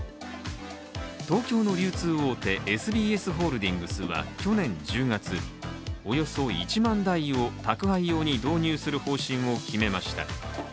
東京の流通大手・ＳＢＳホールディングスは去年１０月、およそ１万台を宅配用に導入する方針を決めました。